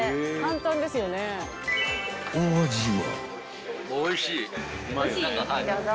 ［お味は？］